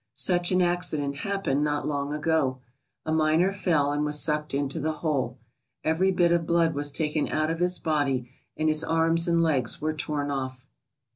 Such an accident happened not long ago. A miner fell and was sucked into the hole. Every bit of blood was taken out of his body and his arms and legs were torn off.